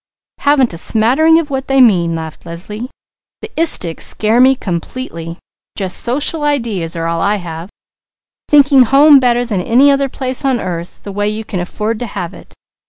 "Haven't a smattering of what they mean!" laughed Leslie. "The 'istics' scare me completely. Just social ideas are all I have; thinking home better than any other place on earth, the way you can afford to have it.